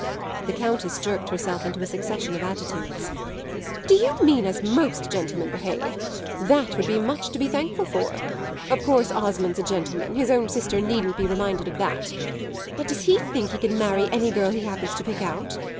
The Countess jerked herself into a succession of attitudes. "Do you mean as most gentlemen behave? That would be much to be thankful for! Of course Osmond's a gentleman; his own sister needn't be reminded of that. But does he think he can marry any girl he happens to pick out?